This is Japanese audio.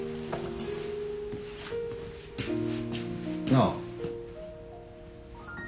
なあ。